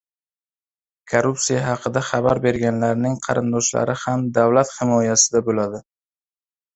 Korrupsiya haqida xabar berganlarning qarindoshlari ham davlat himoyasida bo‘ladi